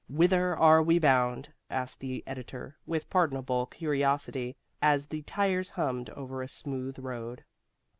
"Whither are we bound?" asked the editor, with pardonable curiosity, as their tires hummed over a smooth road.